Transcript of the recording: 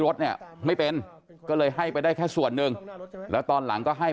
รถเนี่ยไม่เป็นก็เลยให้ไปได้แค่ส่วนหนึ่งแล้วตอนหลังก็ให้